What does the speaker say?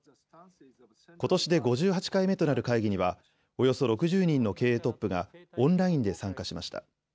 ことしで５８回目となる会議にはおよそ６０人の経営トップがオンラインで参加しました。